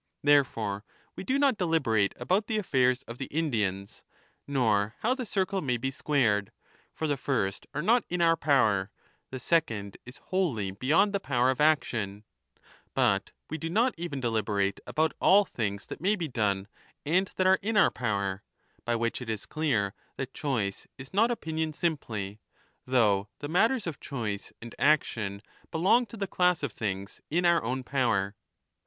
Therefore, we do not deliberate about the affairs of the Indians nor how the circle may be squared ; for the first are not in our power, the second is wholly beyond the 30 power of action ; but we do not even deliberate about all things that may be done and that are in our power (by which it is clear that choice is not opinion simply), though the matters of choice and action belong to the class of things — in our own power.